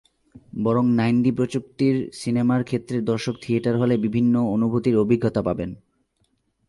বরং নাইনডি প্রযুক্তির সিনেমার ক্ষেত্রে দর্শক থিয়েটার হলে বিভিন্ন অনুভূতির অভিজ্ঞতা পাবেন।